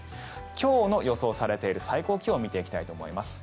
今日の予想されている最高気温を見ていきたいと思います。